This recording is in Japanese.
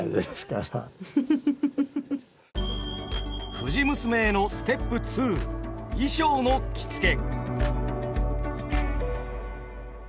「藤娘」へのステップ２衣装の着付け。